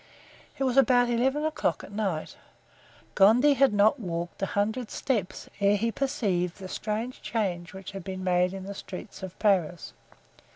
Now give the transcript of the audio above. It was about eleven o'clock at night. Gondy had not walked a hundred steps ere he perceived the strange change which had been made in the streets of Paris.